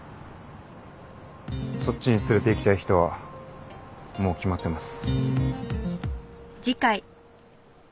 そっちに連れていきたい人はもう決まってます。